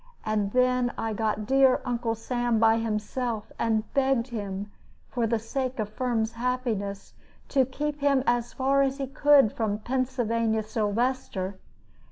And then I got dear Uncle Sam by himself, and begged him, for the sake of Firm's happiness, to keep him as far as he could from Pennsylvania Sylvester.